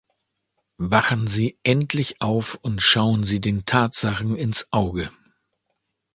Wachen Sie endlich auf und schauen Sie den Tatsachen ins Auge!